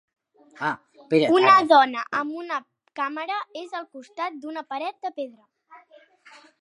Una dona amb una càmera és al costat d'una paret de pedra